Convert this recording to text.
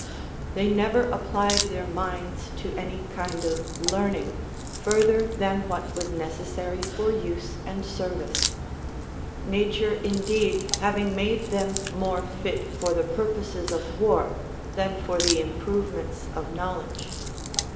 4. They never applied their minds to any kind of learn ing, furtlier than Avhat was necessary for use and service ; nature indeed liaA'ing made them more fit for the purposes of Avar than for the improvements of knowledge.